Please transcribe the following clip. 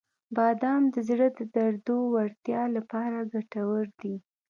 • بادام د زړه د دردو وړتیا لپاره ګټور دي.